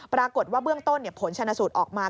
ปรากฏว่าเบื้องต้นผลชนะสูตรออกมา